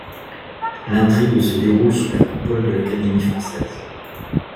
L'intrigue se déroule sous la coupole de l'Académie française.